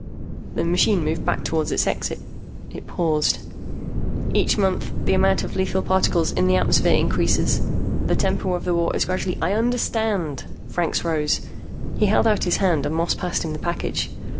The machine moved back toward its exit. It paused. "Each month the amount of lethal particles in the atmosphere increases. The tempo of the war is gradually " "I understand." Franks rose. He held out his hand and Moss passed him the package.